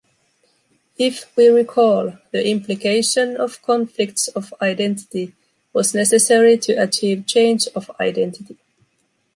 If we recall, the implication of conflicts of identity was necessary to achieve change of identity.